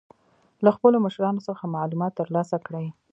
له خپلو مشرانو څخه معلومات تر لاسه کړئ.